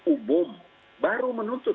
ubom baru menuntut